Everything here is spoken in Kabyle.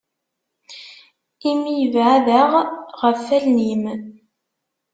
Imi ibɛed-aɣ ɣef allen-im.